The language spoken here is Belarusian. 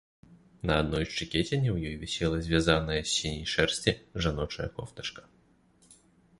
На адной шчыкеціне ў ёй вісела звязаная з сіняй шэрсці жаночая кофтачка.